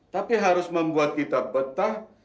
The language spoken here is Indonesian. tapi harus membuat kita betah